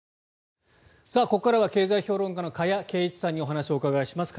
ここからは経済評論家の加谷珪一さんにお話をお伺いします。